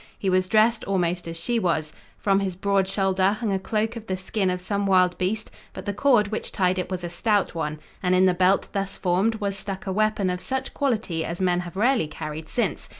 He was dressed almost as she was. From his broad shoulder hung a cloak of the skin of some wild beast but the cord which tied it was a stout one, and in the belt thus formed was stuck a weapon of such quality as men have rarely carried since.